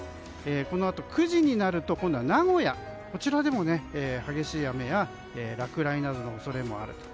このあと９時になると今度は名古屋でも激しい雨や落雷などの恐れもあると。